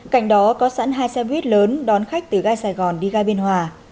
cạnh đó có sẵn hai xe buýt lớn đón khách từ ga sài gòn đi ga biên hòa